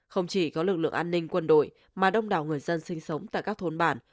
không chỉ có lực lượng an ninh quân đội mà đông đảo người dân sinh sống tại các thôn bản